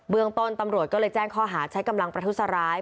เมืองต้นตำรวจก็เลยแจ้งข้อหาใช้กำลังประทุษร้าย